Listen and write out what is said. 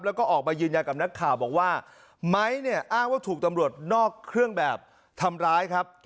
แล้วก็ออกมายืนยันกับนักข่าวบอกว่าไม้เนี่ยอ้างว่าถูกตำรวจนอกเครื่องแบบทำร้ายครับ